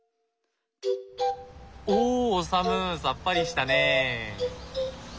おオサムさっぱりしたね。